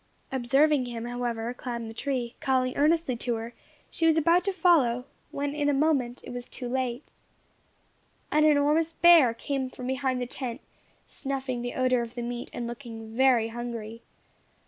Observing him, however, climb the tree, calling earnestly to her, she was about to follow, when in a moment it was too late. An enormous bear came from behind the tent, snuffing the odour of the meat, and looking very hungry.